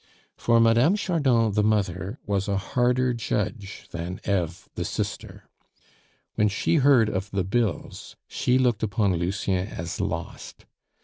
For Mme. Chardon the mother was a harder judge than Eve the sister. When she heard of the bills, she looked upon Lucien as lost.